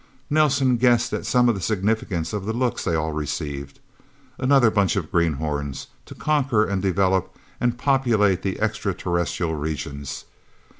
Nelsen guessed at some of the significance of the looks they all received: Another batch of greenhorns to conquer and develop and populate the extra terrestrial regions.